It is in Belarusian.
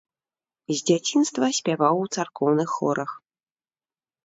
З дзяцінства спяваў у царкоўных хорах.